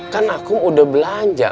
kan aku udah belanja